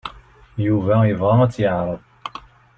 Yuba yebɣa ad tt-yeɛreḍ.